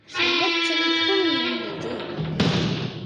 செல்வச் செழிப்பும் இருந்தது.